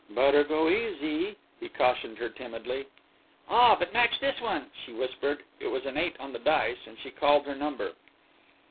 "Better go easy," he cautioned her timidly. "Ah, but watch this one," she whispered. It was eight on the dice and she called her number.